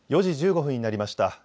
４時１５分になりました。